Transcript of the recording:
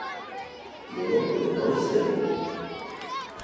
Il est l'oncle de Maurice Raynaud.